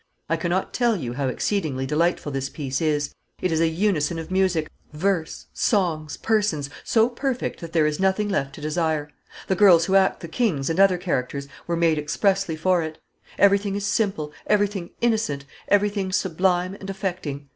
I cannot tell you how exceedingly delightful this piece is; it is a unison of music, verse, songs, persons, so perfect that there is nothing left to desire. The girls who act the kings and other characters were made expressly for it. Everything is simple, everything innocent, everything sublime and affecting.